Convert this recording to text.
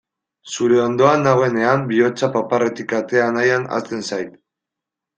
Zure ondoan nagoenean bihotza paparretik atera nahian hasten zait.